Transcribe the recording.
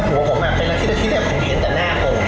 เป็นแหละที่ที่ในผมเห็นแต่หน้าผม